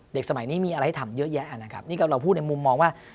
สมัยนี้มีอะไรให้ทำเยอะแยะนะครับนี่ก็เราพูดในมุมมองว่า